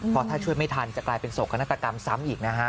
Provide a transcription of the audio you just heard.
เพราะถ้าช่วยไม่ทันจะกลายเป็นโศกนาฏกรรมซ้ำอีกนะฮะ